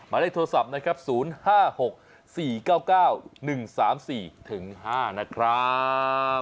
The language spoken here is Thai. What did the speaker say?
ได้โทรศัพท์นะครับ๐๕๖๔๙๙๑๓๔ถึง๕นะครับ